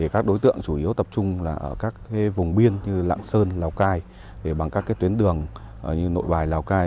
các đối tượng chủ yếu tập trung là ở các vùng biên như lạng sơn lào cai bằng các tuyến đường như nội bài lào cai